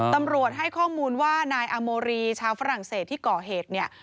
ตำรวจให้ข้อมูลว่านายอาโมรีชาวฝรั่งเศสที่ก่อเหตุเนี่ย